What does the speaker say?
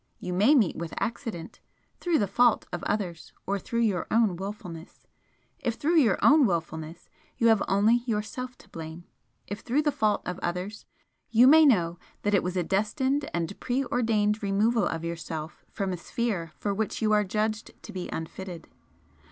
You may meet with accident through the fault of others or through your own wilfulness, if through your own wilfulness, you have only yourself to blame if through the fault of others, you may know that it was a destined and pre ordained removal of yourself from a sphere for which you are judged to be unfitted.